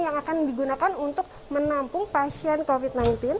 yang akan digunakan untuk menampung pasien covid sembilan belas